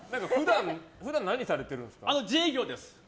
普段、何されているんですか？